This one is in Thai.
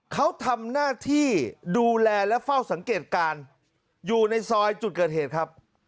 เขาทำหน้าที่ดูแลและเฝ้าสังเกตการณ์อยู่ในซอยจุดเกิดเหตุครับ